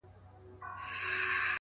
علم د عقل او منطق بنسټ دی